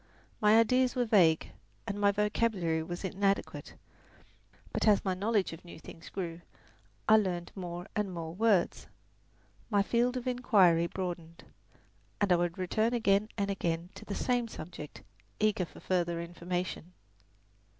My ideas were vague, and my vocabulary was inadequate; but as my knowledge of things grew, and I learned more and more words, my field of inquiry broadened, and I would return again and again to the same subject, eager for further information.